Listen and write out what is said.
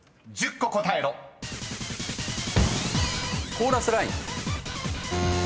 コーラスライン。